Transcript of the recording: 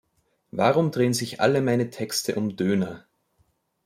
Warum drehen sich alle meine Texte um Döner?